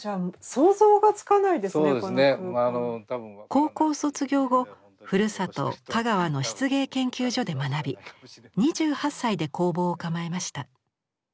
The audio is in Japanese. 高校卒業後ふるさと香川の漆芸研究所で学び２８歳で工房を構えました。